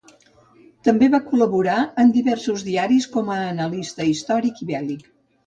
També va col·laborar en diversos diaris com a analista històric i bèl·lic.